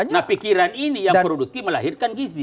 nah pikiran ini yang produktif melahirkan gizi